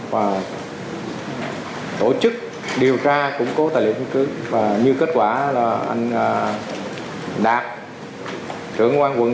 và tổ chức điều tra củng cố tài liệu chứng cứ và như kết quả là anh đạt trưởng oan quận